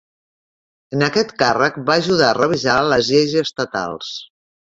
En aquest càrrec, va ajudar a revisar les lleis estatals.